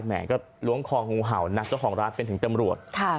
ก็ล้วงคองูเห่านะเจ้าของร้านเป็นถึงตำรวจ